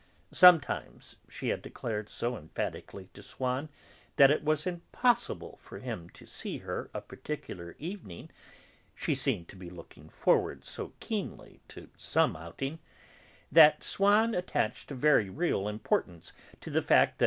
Sometimes she had declared so emphatically to Swann that it was impossible for him to see her on a particular evening, she seemed to be looking forward so keenly to some outing, that Swann attached a very real importance to the fact that M.